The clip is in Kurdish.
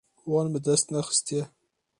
Wan bi dest nexistiye.